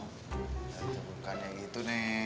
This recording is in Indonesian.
itu bukan yang gitu neng